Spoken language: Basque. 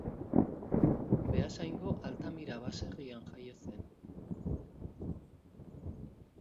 Beasaingo Altamira baserrian jaio zen.